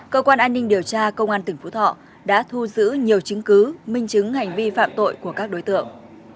cơ quan an ninh điều tra công an tỉnh phú thọ đã thu giữ nhiều chứng cứ minh chứng hành vi phạm tội của các đối tượng